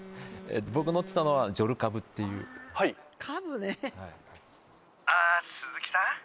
僕乗ってたのはジョルカブっていうはい☎あ鈴木さん？